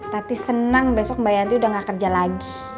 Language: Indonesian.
tapi senang besok mbak yanti udah gak kerja lagi